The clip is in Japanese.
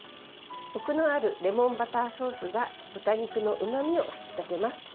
こくのあるレモンバターソースが豚肉のうまみを引き立てます。